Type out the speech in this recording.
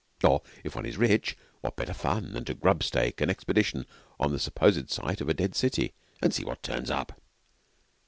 Or, if one is rich, what better fun than to grub stake an expedition on the supposed site of a dead city and see what turns up?